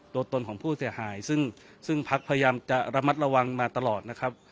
ตัวตนของผู้เสียหายซึ่งพักพยายามจะระมัดระวังมาตลอดนะครับ